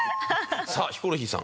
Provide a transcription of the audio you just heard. さあヒコロヒーさん。